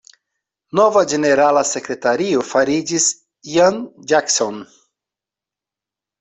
Nova ĝenerala sekretario fariĝis Ian Jackson.